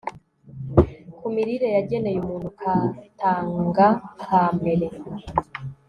ku mirire yageneye umuntu katanga ka mbere